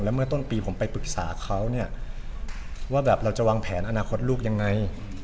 และเมื่อต้นปีผมไปปรึกษาเขาว่าเราจะวางแผนอนาคตลูกยังไง